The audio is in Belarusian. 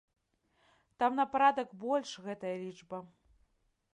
Там на парадак больш гэтая лічба.